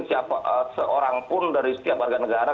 seorang pun dari setiap warga negara